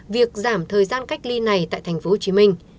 việc giảm thời gian cách ly này tại tp hcm